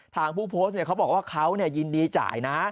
ทางผู้โพสต์เขาบอกว่าเขายินดีจ่ายนะ